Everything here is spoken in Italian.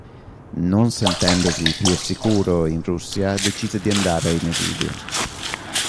Non sentendosi più al sicuro in Russia decise di andare in esilio.